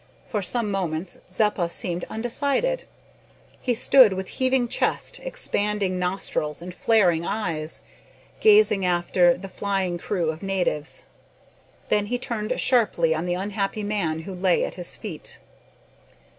For some moments Zeppa seemed undecided. He stood with heaving chest expanding nostrils, and flashing eyes, gazing after the flying crew of natives. Then he turned sharply on the unhappy man who lay at his feet.